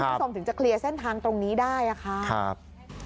ผู้ที่สมถึงจะเคลียร์เส้นทางตรงนี้ได้อ่ะค่ะครับ